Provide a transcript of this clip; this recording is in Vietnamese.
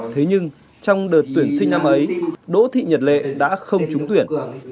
thế nhưng trong đợt tuyển sinh năm ấy đỗ thị nhật lệ đã không trúng tuyển